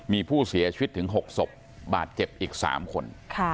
มีผู้เสียชีวิตถึง๖ศพบาดเจ็บอีก๓คน